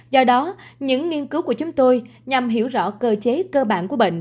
do đó những nghiên cứu của chúng tôi nhằm hiểu rõ cơ chế cơ bản của bệnh